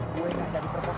gue gak jadi perempuan lo